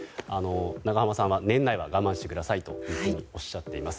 永濱さんは年内は我慢してくれとおっしゃっています。